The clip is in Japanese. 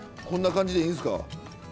こんな感じでいいですか？